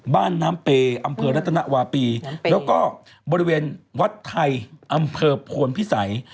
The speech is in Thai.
บ้านน้ำเปย์อำเภอรัตนวาปีแล้วก็บริเวณวัดไทยอำเภอโพนพิสัย